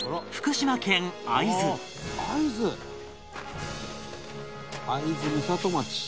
「会津会津美里町」